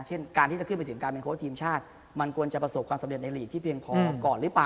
เช่นการที่จะขึ้นไปถึงการเป็นโค้ชทีมชาติมันควรจะประสบความสำเร็จในลีกที่เพียงพอก่อนหรือเปล่า